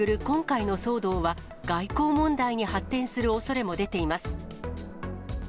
今回の騒動は、外交問題に発展するおそれも出ています。